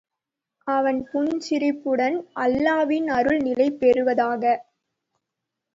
அவன் புன்சிரிப்புடன், அல்லாவின் அருள் நிலைபெறுவதாக!